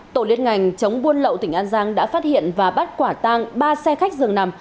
tổ liên ngành chống buôn lậu tỉnh an giang đã phát hiện và bắt quả tang ba xe khách dường nằm